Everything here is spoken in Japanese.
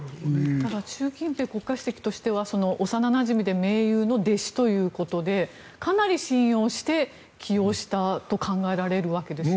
ただ習近平国家主席としては幼なじみで盟友の弟子ということでかなり信用して起用したと考えられるわけですよね。